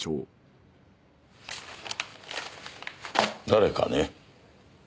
誰かね？